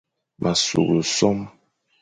M a sughle sôm.